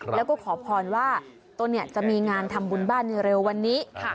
แล้วก็ขอพรว่าตนจะมีงานทำบุญบ้านในเร็ววันนี้